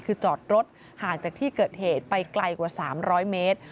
คือจอดรถห่างจากที่เกิดเหตุไปไกลกว่า๓๐๐เมตร